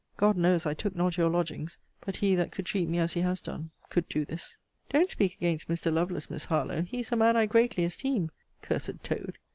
God knows, I took not your lodgings. But he that could treat me as he has done, could do this! Don't speak against Mr. Lovelace, Miss Harlowe. He is a man I greatly esteem. [Cursed toad!